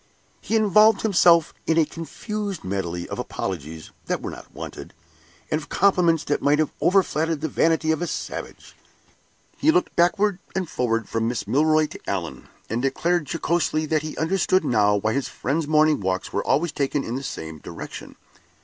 He involved himself in a confused medley of apologies that were not wanted, and of compliments that might have overflattered the vanity of a savage. He looked backward and forward from Miss Milroy to Allan, and declared jocosely that he understood now why his friend's morning walks were always taken in the same direction.